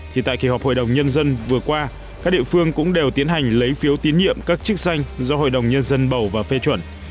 thì tại kỳ họp hội đồng nhân dân vừa qua các địa phương cũng đều tiến hành lấy phiếu tín nhiệm các chức danh do hội đồng nhân dân bầu và phê chuẩn